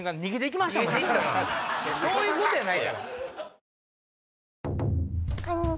そういうことやない。